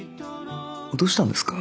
どうしたんですか？